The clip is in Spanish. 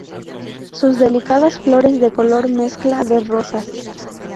Sus delicadas flores de color mezcla de rosas.